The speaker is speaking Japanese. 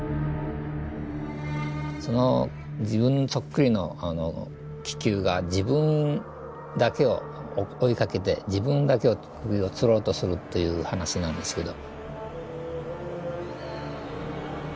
その自分そっくりの気球が自分だけを追いかけて自分だけを首を吊ろうとするという話なんですけど。